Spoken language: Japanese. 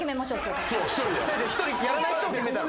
１人やらない人を決めたの。